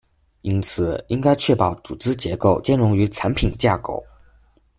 因此，应该确保组织结构兼容于产品架构。